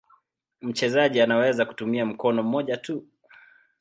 Mchezaji anaweza kutumia mkono mmoja tu.